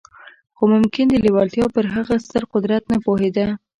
خو ممکن د لېوالتیا پر هغه ستر قدرت نه پوهېده